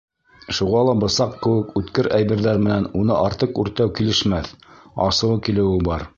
Шуға ла бысаҡ кеүек үткер әйберҙәр менән уны артыҡ үртәү килешмәҫ, асыуы килеүе бар.